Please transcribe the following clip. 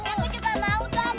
aku juga mau dong